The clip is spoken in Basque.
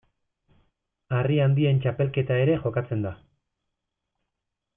Harri Handien Txapelketa ere jokatzen da.